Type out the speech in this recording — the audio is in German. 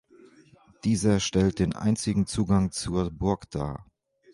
Dieser stellt den einzigen Zugang zur Burg dar.